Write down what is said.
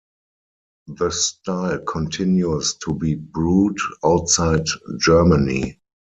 The style continues to be brewed outside Germany.